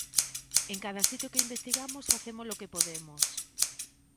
En cada sitio que investigamos facemos o que podemos.